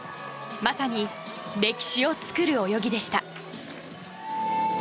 まさに歴史を作る泳ぎでした。